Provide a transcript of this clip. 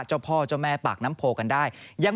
เจ้าพ่อเจ้าแม่ปากน้ำโพกันได้